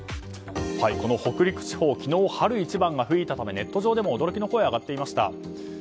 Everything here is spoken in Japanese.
この北陸地方昨日、春一番が吹いたためネット上でも驚きの声が上がっていました。